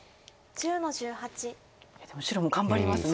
いやでも白も頑張りますね。